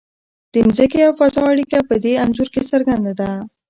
د ځمکې او فضا اړیکه په دې انځور کې څرګنده ده.